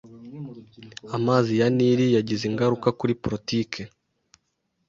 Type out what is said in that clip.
Amazi ya Nili yagize ingaruka kuri politiki